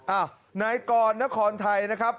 อ้าวนายกรนครไทยนะครับ